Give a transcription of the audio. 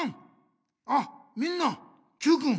あみんなＱくん